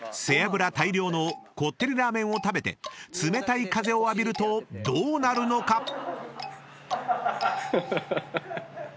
［背脂大量のこってりラーメンを食べて冷たい風を浴びるとどうなるのか⁉］